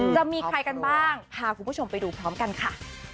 จะมีใครกันบ้างพาคุณผู้ชมไปดูพร้อมกันค่ะ